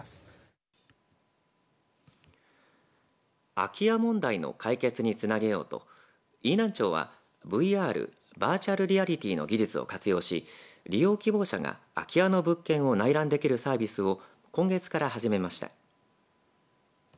空き家問題の解決につなげようと飯南町はＶＲバーチャル・リアリティーの技術を活用し利用希望者が空き家の物件を内覧できるサービスを今月から始めました。